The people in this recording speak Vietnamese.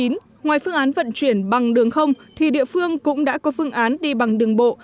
ngoài phương án vận chuyển bằng đường không thì địa phương cũng đã có phương án đi bằng đường bộ